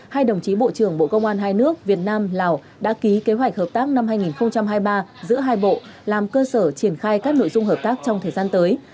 hai đồng chí bộ trưởng bộ công an hai nước việt nam lào đã ký kế hoạch hợp tác năm hai nghìn hai mươi ba giữa hai bộ làm cơ sở triển khai các nội dung hợp tác trong thời gian tới